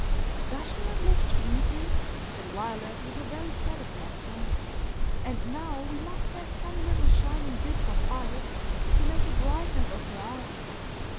"Does she not look sweetly?" said Violet, with a very satisfied tone; "and now we must have some little shining bits of ice, to make the brightness of her eyes.